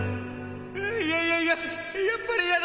いやいやいや、やっぱり嫌だ。